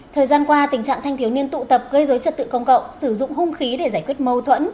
thời gian qua tình trạng thanh thiếu niên tụ tập gây dối trật tự công cộng sử dụng hung khí để giải quyết mâu thuẫn